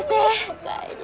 お帰り。